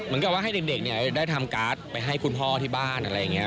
เหมือนกับว่าให้เด็กได้ทำการ์ดไปให้คุณพ่อที่บ้านอะไรอย่างนี้